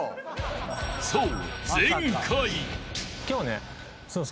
［そう］